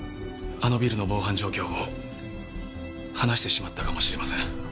あのビルの防犯状況を話してしまったかもしれません。